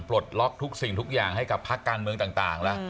ปลดล็อกทุกสิ่งทุกอย่างให้กับพักการเมืองต่างละ